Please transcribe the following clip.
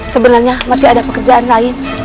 sebenarnya masih ada pekerjaan lain